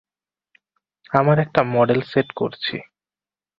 আমরা একটা model set করছি!